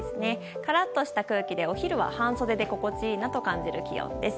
カラッとした空気でお昼は半袖で心地いいなと感じる気温です。